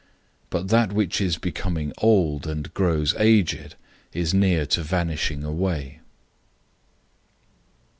But that which is becoming old and grows aged is near to vanishing away.